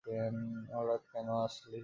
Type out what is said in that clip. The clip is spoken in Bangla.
হঠাৎ কেন আসলি?